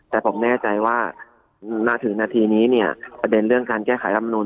ไม่แน่ใจว่าถึงนาทีนี้ประเด็นเรื่องการแก้ไขลับมนุน